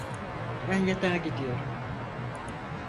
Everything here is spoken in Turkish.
Ben yatağa gidiyorum.